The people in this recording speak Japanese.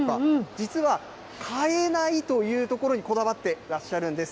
実は変えないというところにこだわってらっしゃるんです。